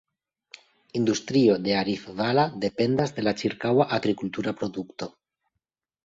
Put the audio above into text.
Industrio de Arifvala dependas de la ĉirkaŭa agrikultura produkto.